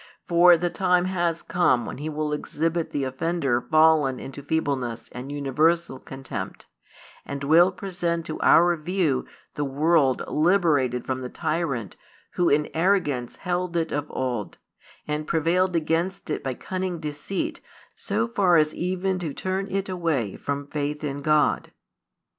For the time has come when He will exhibit the offender fallen into feebleness and universal contempt, and will present to our view the world liberated from the tyrant who in arrogance held it |205 of old, and prevailed against it by cunning deceit so far as even to turn it away from faith in God.